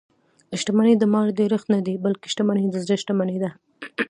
شتمني د مال ډېرښت نه دئ؛ بلکي شتمني د زړه شتمني ده.